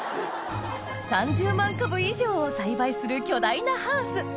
３０万株以上を栽培する巨大なハウス